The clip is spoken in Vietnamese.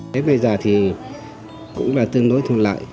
đến bây giờ thì cũng là tương đối thuận lợi